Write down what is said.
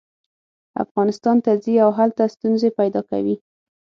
افغانستان ته ځي او هلته ستونزې پیدا کوي.